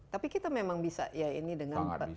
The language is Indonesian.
tapi kita memang bisa ya ini dengan pak niko